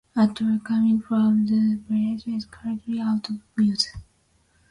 A track coming from the bridge is currently out of use.